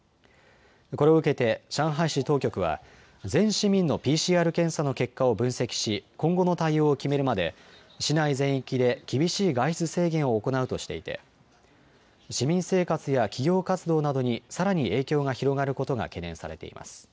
これを受けて上海市当局は全市民のＰＣＲ検査の結果を分析し、今後の対応を決めるまで市内全域で厳しい外出制限を行うとしていて市民生活や企業活動などにさらに影響が広がることが懸念されています。